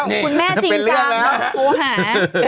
คุณแม่จริงจังโทรหา